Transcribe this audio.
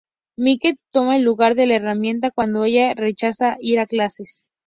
Mike toma el lugar de la hermana cuando ella rechaza ir a las clases.